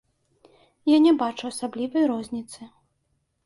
Я не бачу асаблівай розніцы.